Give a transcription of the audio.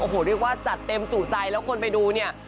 โอ้โหเรียกว่าจัดเต็มจู่ใจแล้วคนไปดูเนี่ย